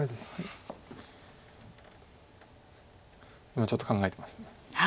今ちょっと考えてます。